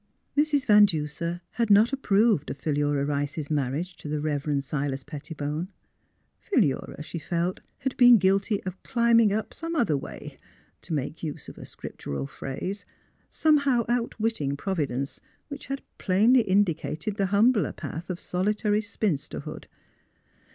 Mrs. Van Duser had not approved of Philura Rice's marriage to the Rev. Silas Pettibone. Phi lura, she felt, had been guilty of climbing up some other way— to make use of a scriptural phrase — somehow outwitting Providence, which had plainly indicated the humbler path of solitary spinsterhood.